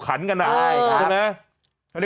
โอ้โหโอ้โห